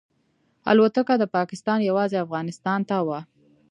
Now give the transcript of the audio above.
الوتکه د پاکستان یوازې افغانستان ته وه.